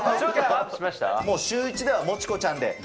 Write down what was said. もうシューイチではもちこちゃんで。